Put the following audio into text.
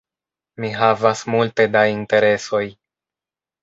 Mi havas multe da interesoj.